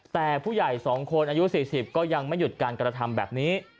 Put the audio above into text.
แต่ผู้ใหญ่๒คนอายุ๔๐ก็ยังไม่หยุดการกระทำแบบนี้